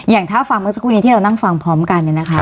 อย่างถ้าฟังเมื่อสักครู่นี้ที่เรานั่งฟังพร้อมกันเนี่ยนะคะ